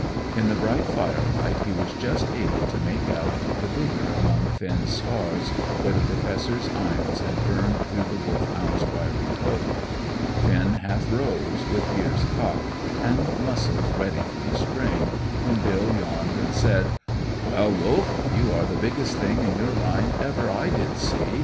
In the bright firelight, he was just able to make out the bigger among Finn's scars, where the Professor's iron had burned through the Wolfhound's wiry coat. Finn half rose, with ears cocked, and muscles ready for the spring, when Bill yawned and said "Well, Wolf, you are the biggest thing in your line ever I did see.